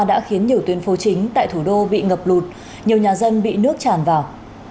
đã khiến nhiều tuyến phố chính tại thủ đô bị ngập lụt nhiều nhà dân bị nước tràn vào